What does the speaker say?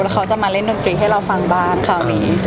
เขาจะมาเล่นดนตรีให้เราฟังบ้างคราวนี้